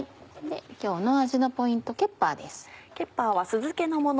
今日の味のポイントケッパーです。